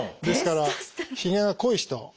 ですからひげが濃い人。